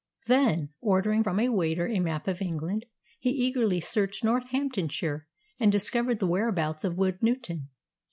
Then, ordering from a waiter a map of England, he eagerly searched Northamptonshire and discovered the whereabouts of Woodnewton.